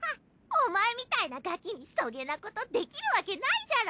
お前みたいなガキにそげなことできるわけないじゃろ！